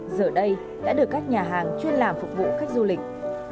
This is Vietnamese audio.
giờ đây đã được các nhà hàng chuyên làm phục vụ khách du lịch